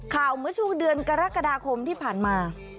ข่าวเมื่อชูเดือนกรกฎาคมที่ผ่านมา